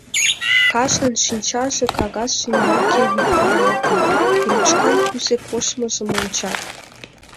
Кажнын шинчаже кагаз ӱмбаке виктаралтын, ручкан кузе коштмыжым онча.